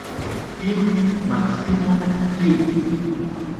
Iru, Maksimo, iru!